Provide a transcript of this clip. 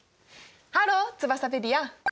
ハローツバサペディア。